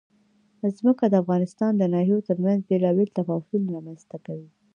ځمکه د افغانستان د ناحیو ترمنځ بېلابېل تفاوتونه رامنځ ته کوي.